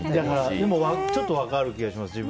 でもちょっと分かる気がします。